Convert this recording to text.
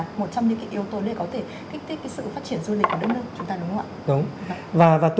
một trong những cái yếu tố